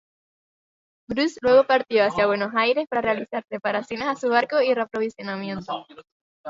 Bruce luego partió hacia Buenos Aires para realizar reparaciones a su barco y reaprovisionamiento.